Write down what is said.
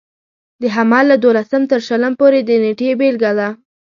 د حمل له دولسم تر شلم پورې د نېټې بېلګه ده.